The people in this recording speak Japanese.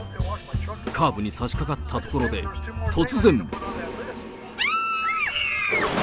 カーブに差しかかったところで、突然。